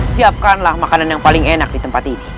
siapkanlah makanan yang paling enak di tempat ini